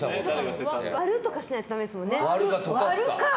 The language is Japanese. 割るとかしないとダメですね。